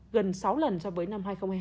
gần sáu lần so với năm hai nghìn hai mươi hai